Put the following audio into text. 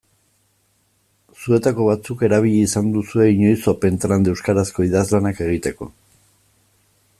Zuetako batzuk erabili izan duzue inoiz Opentrad euskarazko idazlanak egiteko.